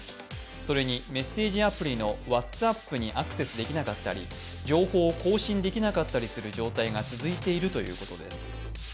それにメッセージアプリのＷｈａｔｓＡｐｐにアクセスできなかったり情報を更新できなかったりする状態が続いているということです。